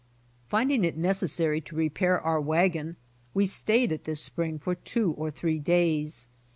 Finding it necessary to repair our wagon we stayed at this spring for two or three days.